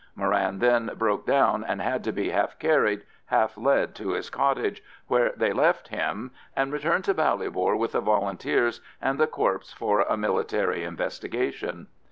Moran then broke down, and had to be half carried, half led to his cottage, where they left him, and returned to Ballybor with the Volunteers and the corpse for a military investigation.